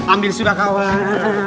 ambil sudah kawan